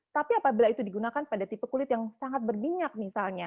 tapi apabila itu digunakan pada tipe kulit yang sangat berminyak misalnya